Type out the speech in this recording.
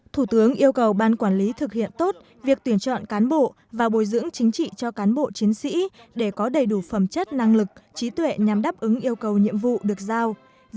thủ tướng yêu cầu ban quản lý thực hiện tốt việc tuyển chọn cán bộ và bồi dưỡng chính trị cho cán bộ chiến sĩ để có đầy đủ phẩm chất năng lực trí tuệ nhằm đáp ứng yêu cầu nhiệm vụ được giao